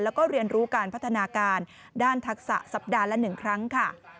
แล้วก็เรียนรู้การพัฒนาการด้านทักษะสัปดาห์ละ๑ครั้งค่ะ